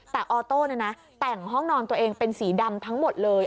แต่ออโต้แต่งห้องนอนตัวเองเป็นสีดำทั้งหมดเลย